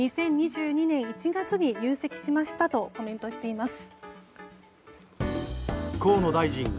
２０２２年１月に入籍しましたとコメントしています。